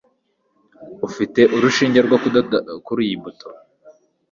Ufite urushinge rwo kudoda kuriyi buto?